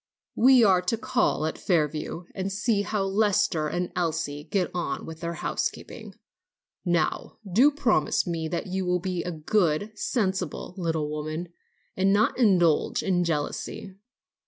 We are to call at Fairview, and see how Lester and Elsie get on with their housekeeping. Now, do promise me that you will be a good, sensible little woman, and not indulge in jealousy."